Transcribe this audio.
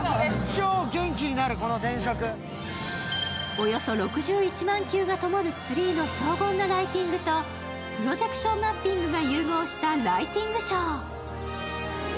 およそ６１万球が灯るツリーの荘厳なライティングとプロジェクションマッピングが融合したライティングショー。